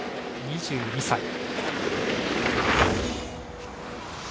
２２歳。